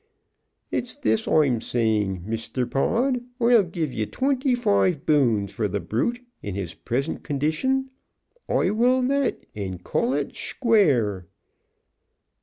It's this Oi'm sayin', Misther Pod, Oi'll give ye twinty foive bones fer th' brute in his prisent condishun; Oi will that, ond call it shquare."